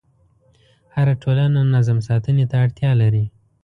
هره ټولنه نظم ساتنې ته اړتیا لري.